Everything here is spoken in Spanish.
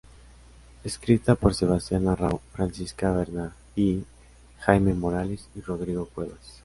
Escrita por Sebastián Arrau, Francisca Bernardi, Jaime Morales y Rodrigo Cuevas.